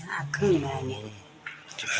ประมาณตี๕๕กว่าอะไรอย่างนี้